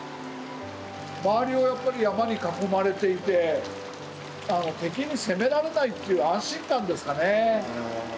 周りをやっぱり山に囲まれていて敵に攻められないという安心感ですかね。